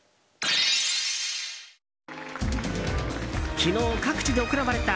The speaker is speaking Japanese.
昨日、各地で行われた